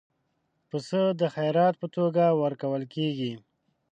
پسه د خیرات په توګه ورکول کېږي.